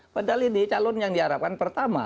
padahal ini calon yang diharapkan pertama